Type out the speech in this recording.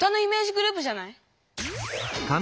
グループじゃない？